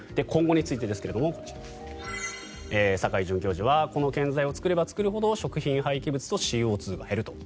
今後についてですが酒井准教授はこの建材を作れば作るほど食品廃棄物とＣＯ２が減る。